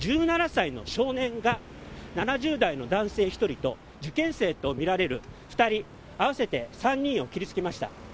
１７歳の少年が、７０代の男性１人と、受験生と見られる２人合わせて３人を切りつけました。